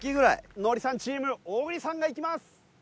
ノリさんチーム小栗さんがいきます。